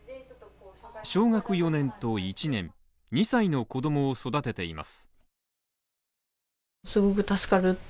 小学４年と１年、２歳の子供を育てています。